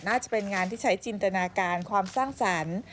น่าจะเป็นงานที่ใช้จินตนาการความสร้างสรรค์